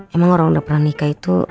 emang orang udah pernah nikah itu